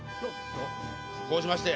こうしまして。